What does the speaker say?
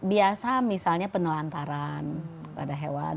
biasa misalnya penelantaran pada hewan